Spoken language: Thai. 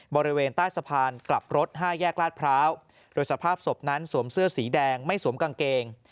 บริเวณใต้สะพานกลับรถ๕แยกลาดพร้าวโดยสภาพศพนั้นสวมเสื้อสีแดงไม่สวมกางเกง